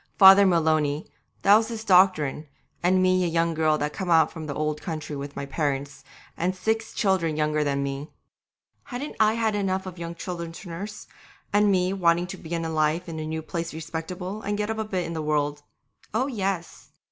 Father Maloney, that was his doctrine, and me a young girl just come out from the old country with my parents, and six children younger than me. Hadn't I had enough of young children to nurse, and me wanting to begin life in a new place respectable, and get up a bit in the world? Oh, yes!